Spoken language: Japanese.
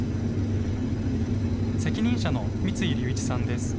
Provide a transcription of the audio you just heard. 責任者の三井龍一さんです。